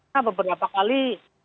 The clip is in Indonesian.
karena beberapa kali